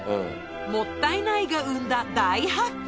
もったいないが生んだ大発見